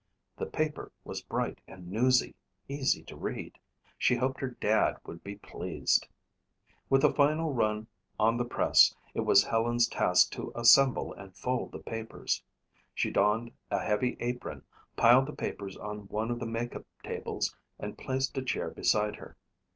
The paper was bright and newsy easy to read. She hoped her Dad would be pleased. With the final run on the press it was Helen's task to assemble and fold the papers. She donned a heavy apron, piled the papers on one of the makeup tables and placed a chair beside her.